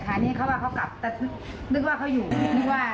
แต่อันนี้เค้ากลับคงนึกว่าเค้าอยู่